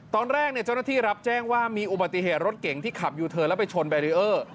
ตอนแรกเจ้าหน้าที่รับแจ้งว่ามีอุบัติเหตุรถเก่งที่ขับยูเทิร์นแล้วไปชนแบรีเออร์